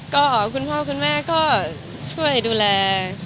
ก็คุณพ่อคุณแม่ก็ช่วยดูแล